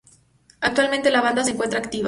Actualmente la banda se encuentra activa.